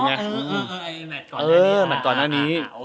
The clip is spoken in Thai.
แหม๊ดก่อนหน้านี้